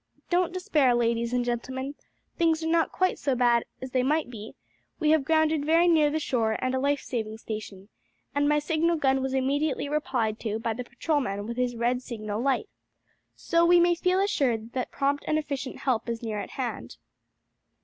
"Don't despair ladies and gentlemen; things are not quite so bad as they might be; we have grounded very near the shore and a life saving station, and my signal gun was immediately replied to by the patrolman with his red signal light. So we may feel assured that prompt and efficient help is near at hand."